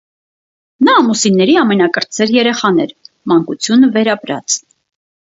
Նա ամուսինների ամենակրտսեր երեխան էր՝ մանկությունը վերապրած։